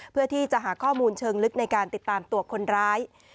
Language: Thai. เพื่อที่จะหาข้อมูลเชิงลึกในการติดตามตัวคนร้าย